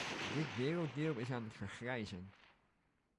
Dit werelddeel is aan het vergrijzen.